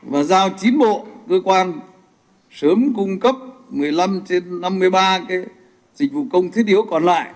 và giao chín bộ cơ quan sớm cung cấp một mươi năm trên năm mươi ba cái dịch vụ công thiết yếu còn lại